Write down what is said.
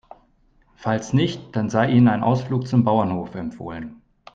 Falls nicht, dann sei Ihnen ein Ausflug zum Bauernhof empfohlen.